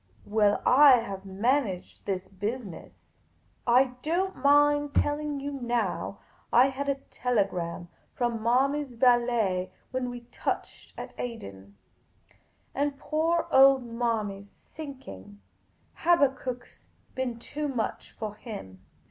" Well, I have managed this business. I don't mind tell ing you now, I had a telegram from Manny's valet when we touched at Aden ; and poor old Manny 's sinking, Habak kuk 's been too much for him.